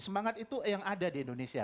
semangat itu yang ada di indonesia